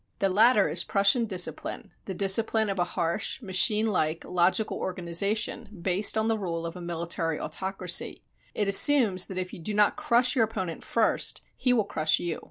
The latter is Prussian discipline, the discipline of a harsh machine like, logical organization, based on the rule of a military autocracy. It assumes that if you do not crush your opponent first, he will crush you.